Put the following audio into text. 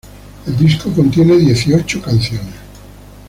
El disco contiene dieciocho canciones.